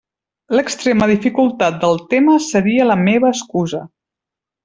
L'extrema dificultat del tema seria la meva excusa.